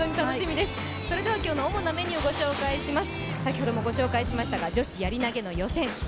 それでは今日の主なメニューをご紹介します。